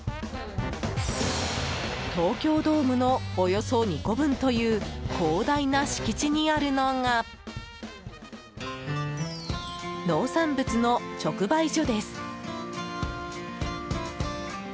東京ドームのおよそ２個分という広大な敷地にあるのが農産物の直売所です。